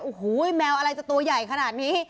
โอ้โหแมวอะไรจะตัวใหญ่ขนาดนี้